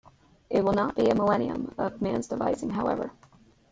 It will not be a millennium of man's devising, however.